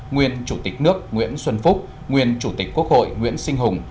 nguyên chủ tịch nước nguyễn xuân phúc nguyên chủ tịch quốc hội nguyễn sinh hùng